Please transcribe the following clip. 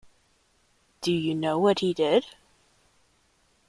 Do you know what he did?